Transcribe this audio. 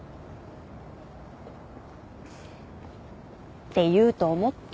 って言うと思った。